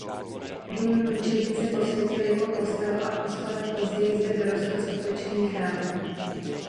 Dům mučednice posvětil jako kostel a o sto let později zde vyrostl skutečný chrám.